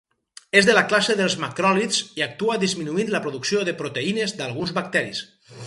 És de la classe dels macròlids i actua disminuint la producció de proteïnes d'alguns bacteris.